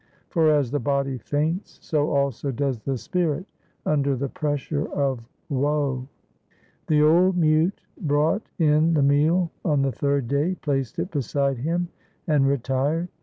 For, as the body faints, so also does the spirit under the pressure of woe. The old mute brought in the meal on the third day, placed it beside him, and retired.